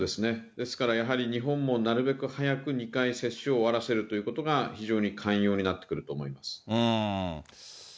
ですからやはり、日本もなるべく早く２回接種を終わらせるということが、非常に肝要になってくると思います。